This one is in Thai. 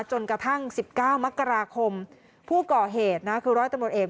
จนกระทั่ง๑๙มกราคมผู้ก่อเหตุนะคือร้อยตำรวจเอก